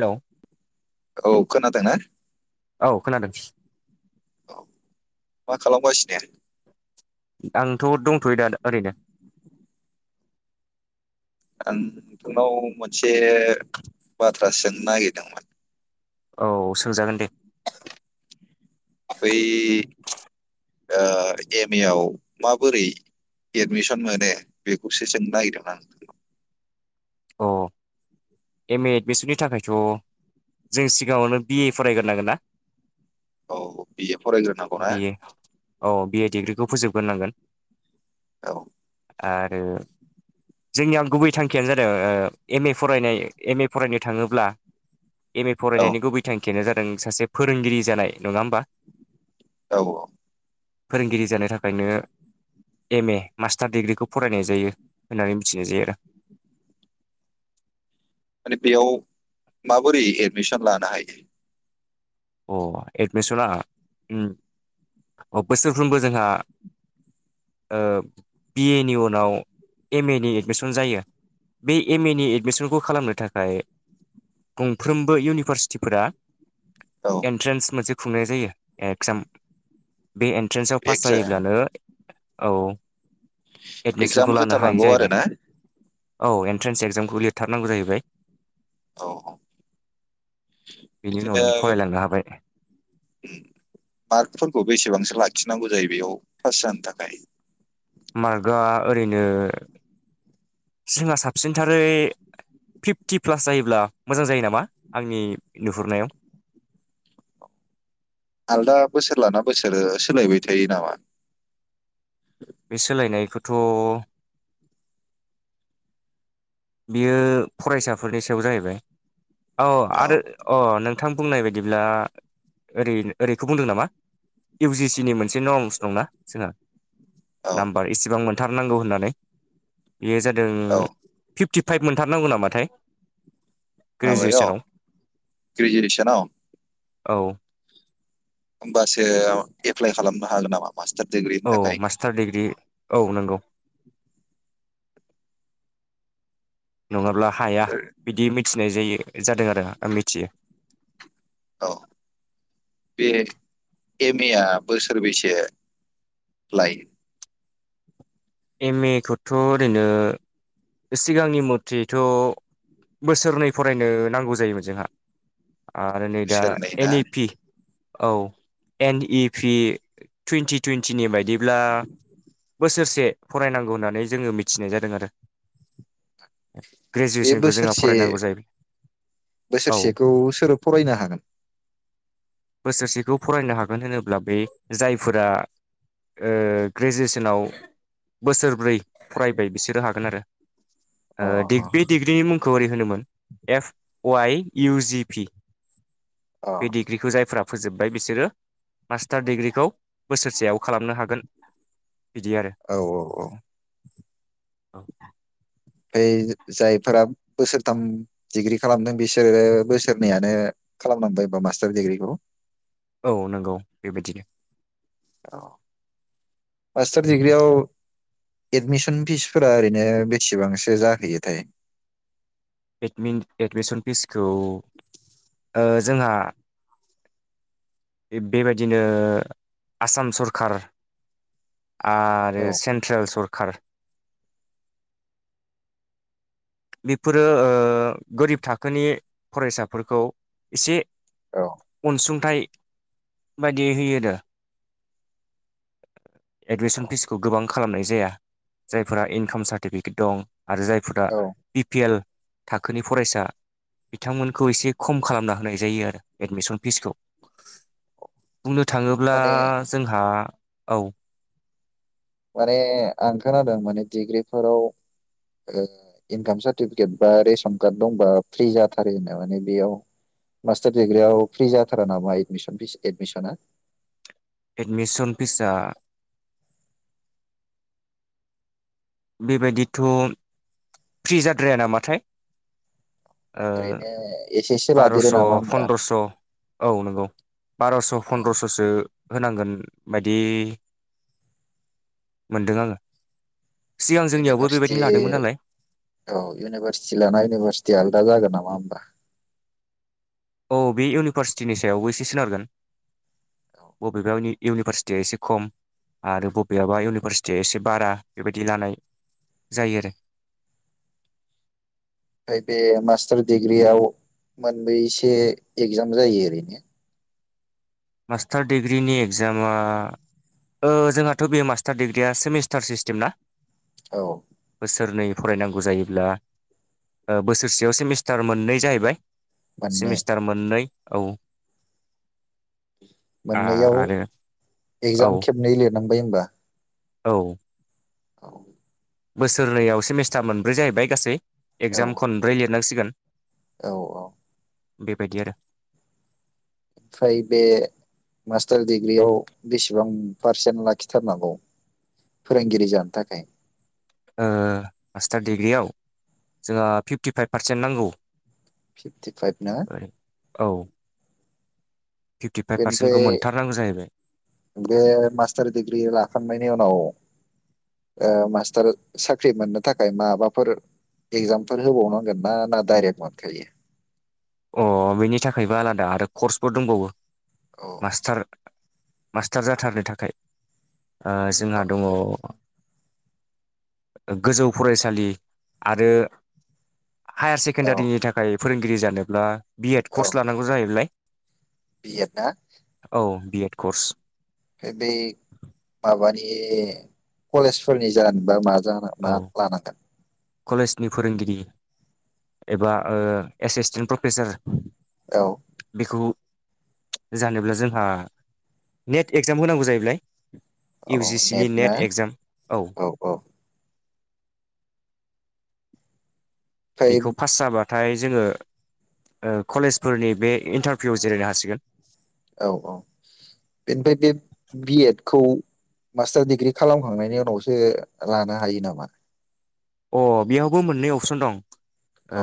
Hello. औ खोनादोंना? औ खोनादों। औ मा खालामगासिनो? आंथ' दंथ'यो दा ओरैनो। आं थोनाव मोनसे ए बाथ थ्रा सोंनो नागिरदोंमोन। औ सोंजागोन दे बै ओ एम ए आव माबोरै एडमिसन मोनो बेखौसो सोंनो नागिरदोंमोन आं नोंनाव। अ'। एम ए एडमिसननि थाखायथ' जों सिगाङावनो बि ए फरायग्रोनांगोन ना औ बिए फरायग्रोनांगौ ना बि ए अ' बि ए डिग्रि खौ फोजोबग्रो नांगोन औ आरो जोंनिया गुबै थांखियानो जादों एम ए फरायनाय एम ए फरायनो थाङोब्ला एम ए औ फरायनायनि गुबै थांखियानो जा दों सासे फोरोंगिरि जानाय नङा होमबा औ फोरोंगिरि जानो थाखायनो एम ए मास्टार डिग्रिखौ फरायनाय जायो होननानै मिथिनाय जायो आरो। माने बेयाव माबोरै एदमिसन लानो हायो? अ' एडमिसना उम बोसोरफ्रोमबो जोंहा ओ बि ए नि उनाव एम ए नि एडमिसन जायो बे एम ए नि एडमिसनखौ खालामनो थाखाय गंफ्रोमबो इउनिभारसिटिफोरा औ एन्ट्रेन्स मोनसे खुंनाय जायो एक्जाम बे एन्ट्रेन्सआव पास जायोब्लानो औ। एडमिसनखौ एक्जाम लानो हायो होथारनांगौ आरो जाहैबाय ना? औ एन्ट्रेन्स एक्जामखौ लिरथारनांगौ जायैबाय। औ औ बेनि उनाव नों फरायलांनो हा उम मार्कफोरखौ बेसेबांसो लाखिनांगौ जायो बेयाव फास जानो थाखाय? मार्कआ ओरैनो जोंहा साबसिनथारै फिफ्टि प्लास जायोब्ला मोजां जायो नामा आंनि नुहुरनायाव। आलदा बोसोर लाना बोसोरो सोलायबाय थायो नामा? थ' बियो फरायसाफोरनि सायाव जाहैबाय। औ आरो अ नोंथां बुंनाय बायदिब्ला ओरै ओरैखौ बुंदों नामा इउ जि सि नि मोनसे नंस दंना जोंहा औ नाम्बार इसिबां मोन थारनांगौ होननानै बेयो जादों औ टिफाइभ मोनथारनांगौ नामाथाय माबायाव ग्रेजुवेसनाव ग्रिजुवेसनाव? औ होमबासो एप्लाइ खालामनो हागोन नामा? मास्टार डिग्रिनि औ थाखाय मास्टार डिग्रि औ नंगौ। नङाब्ला हाया बिदि मिथिनाय जायो। जादो आरो आं मिथियो। औ बे एम ए आ बोसोरबैसे लायो? एम ए खौथ' ओरैनो सिगांनि मथेथ' बोसोरनै फरायनो नांगौ जायोमोन जोंहा। आरो नै दा बोसोरनै एन ना इ पि औ एन इ फि टुइन्टि टुइन्टिनि बाय दिब्ला बोसोरसे फरायनांगौ होननानै जोङो मिथिनाय जादों आरो। बे ग्रेजुवेसनखौ जोंहा बोसोरसे फरायनांगौ जायो औ बोसोरसेखौ सोरो फरायनो हागोन? बोसोरसेखौ फरायनो हागोन होनोब्ला बे जायफोरा ओ ग्रेजुवेसनाव बोसोरब्रै फरायबाय बिसोरो हागोन आरो। ओ अ डिग बे डिग्रिनि मुंखौ ओरै होनोमोन F Y U G P. अ औ बे डिग्रिखौ जायफ्रा फोजोब्बाय बिसोरो मास्टार डिग्रिखौ बोसोरसेयाव खालामनो हागोन। औ औ औ। औ फाय जायफोरा बोसोरथाम डिग्रि खालामदों बिसोरो बोसोरनैयानो खालामनांबायबा मास्टार डिग्रिखौ? औ नंगौ बेबायदिनो। औ मास्टार दिडिग्रियाव एडमिसन फिसफोरा ओरैनो बेसेबांसो जाहैयोथाय? एडमिन एडमिसन फिसखौ ओ जोंहा बेबादिनो आसाम सरखार आरो औ सेनते्ल सरखार बेफोरो ओ गोरिब थाखोनि फरायसाफोरखौ एसे औ अनसुंथाइ बायदियै होयो आरो एडमिसन औ फिसखौ गोबां खालामनाय जाया जायफोरा इनकाम सार्टिफिकेट दं आरो जायफोरा औ बि पि एल थाखोनि फरायसा बिथांमोनखौ एसे खम खालामना होनाय जायो आरो एडमिसन फिसखौ बुंनो थाङोब्ला माने जोंहा औ माने आं खोनादों माने डिग्रिफोराव ओ इनकाम सार्टिफिकेट बा रेसन कार्ड दंबा फ्रि जाथारो होनना माने बेयाव मास्टार डिग्रियाव फ्रि जाथारा नामा एमिसन फिस एदमिसना? एडमिसन फिसा बेबायदिथ' फ्रि जाद्राया नामाथाय ओ ओरैनो एसेसो बार'स' लादेरो नामा होमबा फनन्द्रस' औ नंगौ बार'स' औ फन्द्रस'सो होनांगोन बायदि मोनदों आङो सिगां जोंनियावबो इउनिभारसिटि बेबायदिनो लादोंमोन नालाय औ इउनिभारसिटि लाना इउनिभारसिटिया आलादा जागोन नाम [unintelligible] औ बे इउनिभारसिटिनि सायावबो एसे सोनारगोन औ बबेबा इउनिभारसिटिया एसे खम आरो बबेयबा इउनिभारसिटिया एसे बारा बेबायदि लानाय जायो आरो अै बे मास्टार डिग्रियाव मोनब्रैसे एगजाम जायो ओरैनो मास्टार डिग्रिनि इकजामा ओ जोंहाथ' बे मास्टार दिडिग्रिया सेमिस्टार सिस्टेम ना? औ। बोसोरनै फरायनांगौ जायोब्ला ओ बोसोरसेयाव सेमिस्टार मोननै जाहैबाय। मोननै सेमिस्टार मोननै औ। मोननैयाव आरो औ इकजाम खेबनै लिरनांग होनबा? औ। बोसोरनैयाव सेमेस्टार मोनब्रै जाहैबाय गासै औ इकजाम खनब्रै लिरनांसि गोन औ औ। बेबायदि आरो। ओमफ्राय बे मास्टार डिग्रियाव बेसेबां पारसेन्ट लाखिथारनांगौ फोरोंगिरि जानो थाखाय? ओ मास्टार डिग्रियाव जोंहा फिफ्टिफाइभ पारसेन्ट नांगौ। फिफटि फाइभ ना? औ फिफ्टिफाइभ पारसेन्टखौ बेनिफ्राय मोनथारनांगौ जाहैबाय बे मास्टार डिग्रि लाखांनायनि उनाव ओ मास्टार साख्रि मोननो थाखाय माबाफोर इकजामफोर होबावनांगोन ना ना डायरेक्ट मोनखायो? अ बेनि थाखायबो आलादा आरो कर्सबो दंबावो। औ मास्टार मास्टार जाथारनो थाखाय ओ जोंहा दङ गोजौ फरायसालि आरो हायार औ सेकेण्डारिनि थाखाय फोरोंगिरि जानो ब्ला बि एड कर्स लानांगौ जाहैलाय बि एड ना? B Ed course. ओ बै माबानि कलेजफोरनि जानोबा मा जानो मा औ लानांगोन? कलेजनि फोरोंगिरि एबा ओ एसिसटेन्ट प्रफेसार औ बेखौ जानोब्ला जोंहा नेट एक्जाम होनांगौ जाहैबाय औ इउ जि सि नि ना नेट इक्जाम औ। ओमफ्राय बेखौ फास जाबा नाथाय जोङो ओ कलेजफोरनि बे इन्टारभिउआव जिरायनो हासिगोन औ औ बेनिफ्राय बे बिएड खौ मास्टार दिडिग्रि खालामखांनायनि उनावसो लानो हायो नामा? अ बेयावबो मोननै अपसन दं ओ औ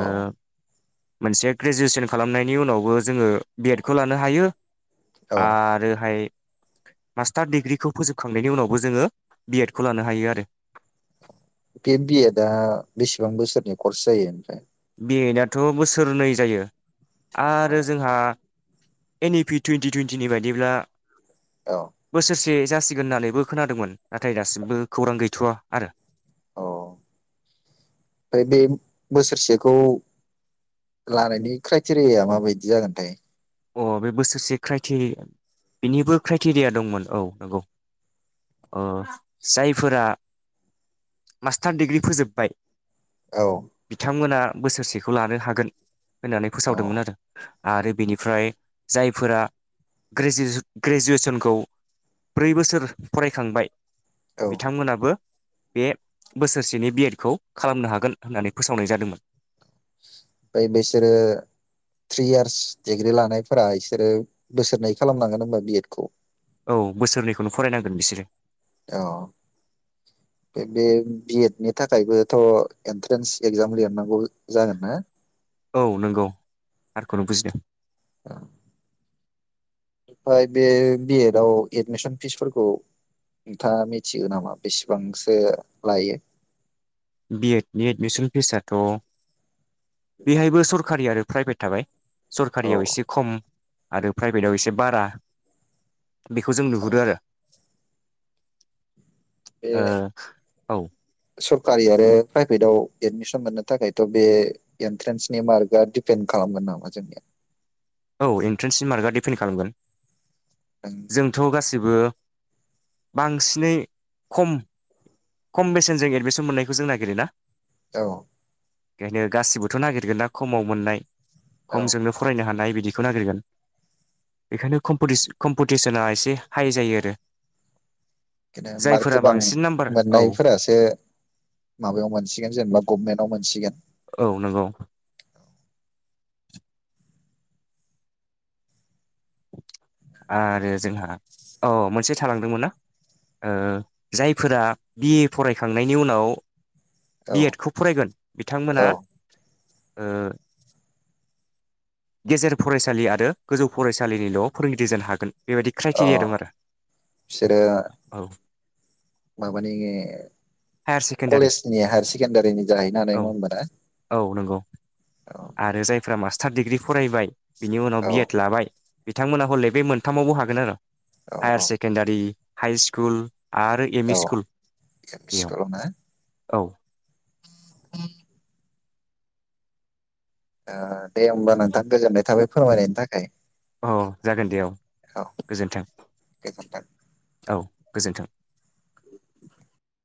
मोनसे ग्रेजुवेसन खालामनायनि उनावबो जोङो बिएड खौ लानो हायो। औ आरोहाय मास्टार डिग्री खौ फोजोबखांनायनि उनावबो जोङो बिएड खौ लानो हायो आरो पि बिएदा बेसेबां बोसोरनि कर्स जायो ओमफ्राय बेयोनायथ' बोसोरनै जायो आरो जोंहा एन इ पि टुइन्टि टुइन्टिनि बायदिब्ला औ बोसोरसे से जासिगोन होननानैबो खोनादोंमोन नाथाय दासिमबो खौरां गैथ'वा आरो अ ओमफ्राय बे बोसोरसेखौ लानायनि क्राइटेरियाया माबायदि जागोनथाय अ बे बोसोरसे क्राइटेरिया बेनिबो क्राइटेरिया दंमोन औ नंगौ जायफोरा मास्टार दिडिग्रि फोजोब्बाय। औ बिथांमोना बोसोरसेखौ लानो हागोन होननानै औ फोसावदोंमोन आरो आरो बेनि ओमफ्राय जायफोरा गेजस ग्रेजुवेसनखौ ब्रै बोसोर फरायखांबाय बिथांमोनाबो बे बोसोरसेनि बिएड खौ खालामनो हागोन होननानै फोसावनाय जादोंमोन। ओमफ्राय बिसोरो थ्रि इयार्स डिग्रि लानायफोरा बिसोरो बोसोरनै खालामनांगोन होनबा बिएद खौ औ बोसोरनैखौनो फरायनांगोन बिसोरो। औ बे बि एडनि थाखायबोथ' एन्ट्रेन्स एक्जाम लिरनांगौ जागोन ना? औ नंगौ थारखौनो बुजिदों। औ ओमफ्राय बे बिएदआव एडमिसन फिसफोरखौ नोंथाङा मिथिगौ नामा बेसेबांसो लायो? बिएडनि एडमिसन फिसाथ' बेहायबो सरखारि आरो प्राइभेट थाबाय औ सरखारियाव एसे खम आरो प्राइभेटाव एसे बारा बेखौ जों औ नुहुरो आरो ओ औ सरखारि आरो प्राइभेटाव एदमिसन मोननो थाखायथ' बे एन्ट्रेन्सनि मार्कआ दिडिपेन्ड खालामगोन नामा जोंनिया औ इन्ट्रेन्सनि मार्कआ डिफिन खालामगोन। नों जोंथ गासिबो बांसिनै खम खम बेसेनजों एडमिसन मोननायखौ जों नागिरोना औ बेखायनो गासिबोथ नागिरगोन ना खमाव मोननाय औ खमजोंनो फरायनो हानाय बिदि बिखौ नागिरगोन बेखायनो कम्पिटि कम्पिटिसना एसे हाइ जायो आरो बिदिनो मार्क जायफोरा गोबां बांसिन नाम्बार औ मोननायफोरासो माबायाव मोनसिगोन जेनेबा गभमेन्टाव मोनसिगोन। औ नंगौ आरो जोंहा अ मोनसे थालांदोंमोनना ओ जायफोरा बि ए फरायखांनायनि उनाव बि औ एड खौ फरायगोन औ बिथांमोना ओ गेजेर फरायसालि आरो गोजौ फरायसालिनिल फोरोंगिरि जानो हागोन बेबायदि अ क्राइटेरिया दं आरो बिसोरो औ माबानि हायार सेकेण्डारि कलेजनि हायार सेकेणडारिनि जाहैनो हानाय औ नङा होनबा औ नंगौ ना औ आरो जायफ्रा मास्टार दिग्रि फरायबाय बिनि उनाव औ बि एड लाबाय। बिथांमोना हले बे मोनथामावबो हागोन आरो औ औ हायार सेकेण्डारि हाइ स्कुल आरो एम औ इ स्कुल एम इ बेयाव। स्कुलाव ना औ। [inaudible] ओ दे होमबा नोंथां गोजोननाय थाबाय। फोरमायनायनि थाखाय। औ जागोन दे औ औ गोजोन्थों गोजोन्थों। औ। गोजोन्थों।